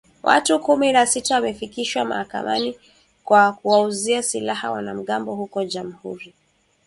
Watu kumi na sita wamefikishwa mahakamani kwa kuwauzia silaha wanamgambo huko jamuhuri ya kidemokrasia ya kongo